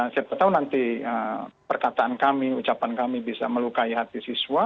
siapa tahu nanti perkataan kami ucapan kami bisa melukai hati siswa